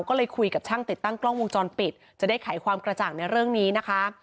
ก็เลยคุยกับช่างติดตั้งกล้องวงจรปิดจะได้ไขความกระจ่างในเรื่องนี้นะคะ